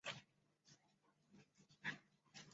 现时该军营由驻港解放军驻守。